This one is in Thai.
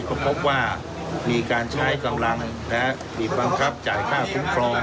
ก็พบว่ามีการใช้กำลังผิดบังคับจ่ายค่าคุ้มครอง